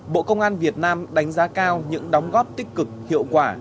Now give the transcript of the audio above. bộ công an việt nam đánh giá cao những đóng góp tích cực hiệu quả